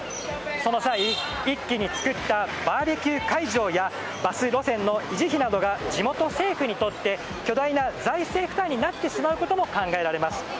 その際、一気に作ったバーべキュー会場やバス路線の維持費などが地元政府にとって巨大な財政負担になってしまうことも考えられます。